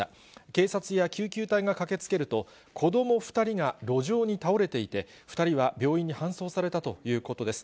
警察や救急隊が駆けつけると、子ども２人が路上に倒れていて、２人は病院に搬送されたということです。